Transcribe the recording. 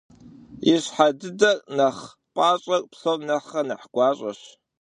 Ищхьэ дыдэр, нэхъ пIащIэр, псом нэхърэ нэхъ гуащIэщ.